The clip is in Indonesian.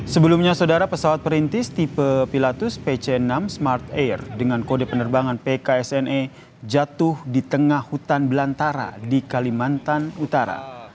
sebelumnya saudara pesawat perintis tipe pilatus pc enam smart air dengan kode penerbangan pksne jatuh di tengah hutan belantara di kalimantan utara